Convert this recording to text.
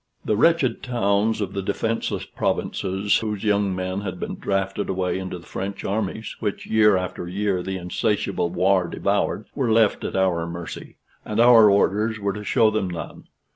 The wretched towns of the defenceless provinces, whose young men had been drafted away into the French armies, which year after year the insatiable war devoured, were left at our mercy; and our orders were to show them none.